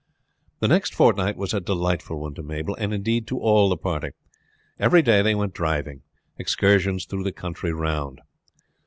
The next fortnight was a delightful one to Mabel, and indeed to all the party. Every day they went driving excursions through the country round.